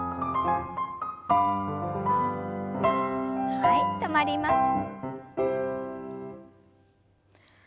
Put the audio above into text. はい止まります。